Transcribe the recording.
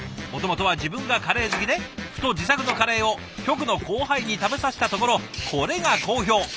もともとは自分がカレー好きでふと自作のカレーを局の後輩に食べさせたところこれが好評。